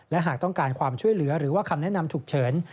และหากต้องการความช่วยเหลือหรือว่าคำแนะนำฉุกเฉิน